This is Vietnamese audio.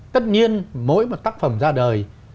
tất nhiên mỗi một tác phẩm ra đời